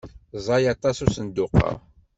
Ẓẓay aṭas usenduq-a.